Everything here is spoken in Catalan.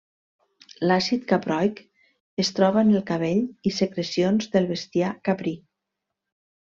L'àcid caproic es troba en el cabell i secrecions del bestiar caprí.